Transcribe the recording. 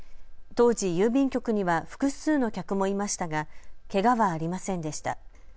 当時、郵便局には複数の客もいましたがけがはありませんでした。